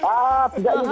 ah tidak ini